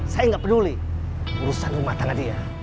saya gak peduli urusan rumah tangan dia